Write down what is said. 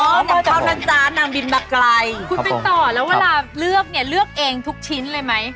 คุณเป็นต่อแล้วเวลาเลือกเนี่ยเลือกเองทุกชิ้นเลยไหมคุณเป็นต่อแล้วเวลาเลือกเนี่ยเลือกเองทุกชิ้นเลยไหม